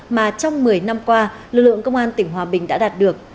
mà trong một mươi năm qua lực lượng công an tỉnh hòa bình đã đạt được